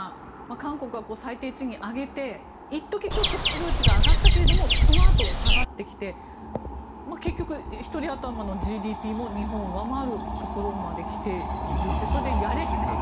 韓国は最低賃金を上げて一時、ちょっと失業率が上がったけどもそのあと、下がってきて結局、１人頭のＧＤＰも日本を上回るところまで来ていてそれでできていると。